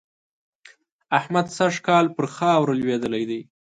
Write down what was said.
احمد سږ کال پر خاورو لوېدلی دی.